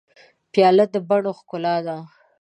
پیاله د بڼو ښکلا ده.